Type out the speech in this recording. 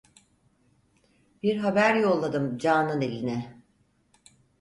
Bir haber yolladım canan iline…